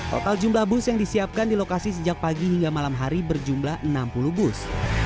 total jumlah bus yang disiapkan di lokasi sejak pagi hingga malam hari berjumlah enam puluh bus